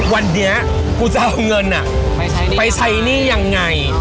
วันนี้กูจะเอาเงินไปใช้หนี้ยังไง